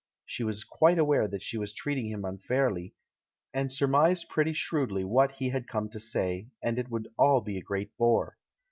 She was quite aware that she was treating him unfairly, and surmised pretty shrewdly what he had come to say, and it would all be a great bore.